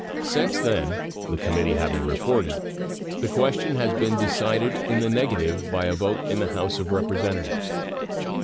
Since then, the committee having reported, the question has been decided in the negative by a vote in the House of Representatives.